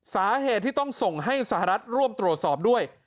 สาเหตุที่ต้องส่งให้สหรัฐร่วมตรวจสอบด้วย